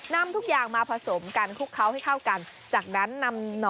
นำทุกอย่างมาผสมกันคลุกเคล้าให้เข้ากัน